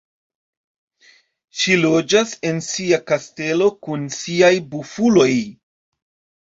Ŝi loĝas en sia kastelo kun siaj Bufuloj.